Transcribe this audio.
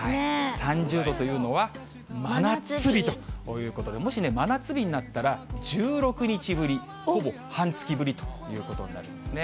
３０度というのは、真夏日ということで、もし真夏日になったら、１６日ぶり、ほぼ半月ぶりということになるんですね。